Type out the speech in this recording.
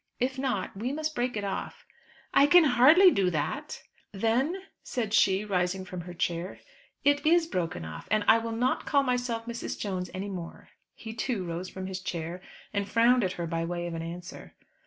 If not we must break it off." "I can hardly do that" "Then," said she, rising from her chair, "it is broken off, and I will not call myself Mrs. Jones any more." He too rose from his chair, and frowned at her by way of an answer.